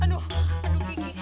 aduh ki ki